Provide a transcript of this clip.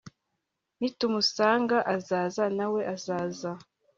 nitumusanga azaza nawe azaza